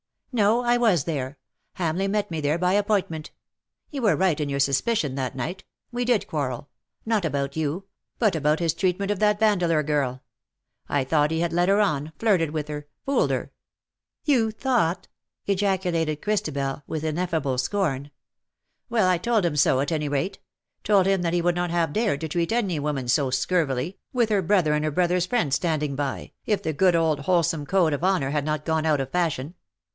^^*' No. I was there. Hamleigh met me there by appointment. You were right in your suspicion that night. We did quarrel — not about you — but about his treatment of that Vandeleur girl. I thought he had led her on — flirted with her — fooled her ''" You thought/ ' ejaculated Christabel^ with in effable scorn. " Wellj I told him sO; at any rate ; told him that he would not have dared to treat any woman so scurvily, with her brother and her brother's friend standing by, if the good old wholesome code of honour had not gone out of fashion.